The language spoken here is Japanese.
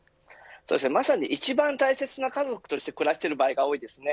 まさに、一番大切な家族として暮らしている場合が多いですね。